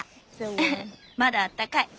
ウフまだあったかい。